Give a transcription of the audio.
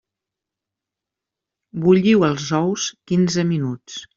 Bulliu els ous quinze minuts.